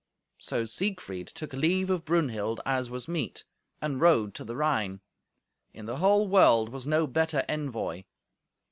So Siegfried took leave of Brunhild, as was meet, and rode to the Rhine. In the whole world was no better envoy.